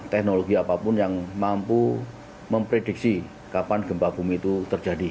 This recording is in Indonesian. teknologi apapun yang mampu memprediksi kapan gempa bumi itu terjadi